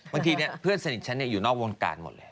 บางทีเพื่อนสนิทฉันอยู่นอกวงการหมดเลย